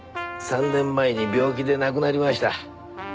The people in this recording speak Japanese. ３年前に病気で亡くなりました。